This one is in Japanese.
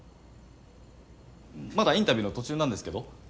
まだインタビューの途中なんですけど。